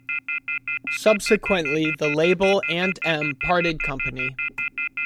Subsequently the label and M parted company.